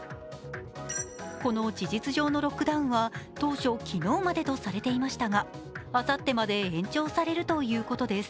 この事実上のロックダウンは当初、昨日までとされていましたがあさってまで延長されるということです。